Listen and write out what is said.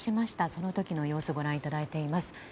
その時の様子をご覧いただいています。